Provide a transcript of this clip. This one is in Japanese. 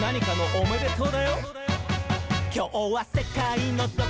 「おめでとう」